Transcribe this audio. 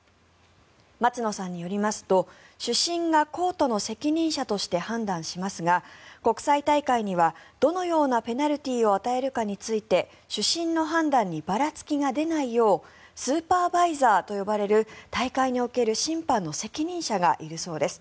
松野さんによりますと主審がコートの責任者として判断しますが国際大会には、どのようなペナルティーを与えるかについて主審の判断にばらつきが出ないようスーパーバイザーと呼ばれる大会における審判の責任者がいるそうです。